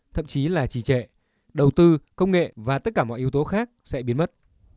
thậm chí là chỉ trẻ đầu tư công nghệ và tất cả mọi yếu tố khác sẽ biến mất